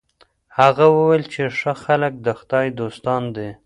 هغه وویل چي ښه خلک د خدای دوستان دي.